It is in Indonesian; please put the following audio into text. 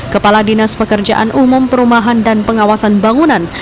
kepala dinas pekerjaan umum perumahan dan pengawasan bangunan